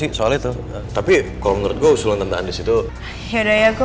ia akan mirip dengan si ika ika